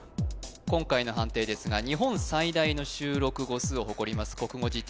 今回の判定ですが日本最大の収録語数を誇ります国語辞典